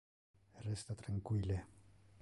Resta tranquille.